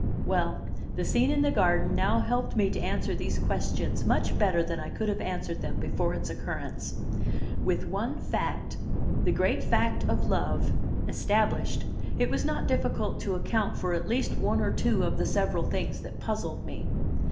Well, the scene in the garden now helped me to answer these questions much better than I could have answered them before its occurrence. With one fact the great fact of love established, it was not difficult to account for at least one or two of the several things that puzzled me.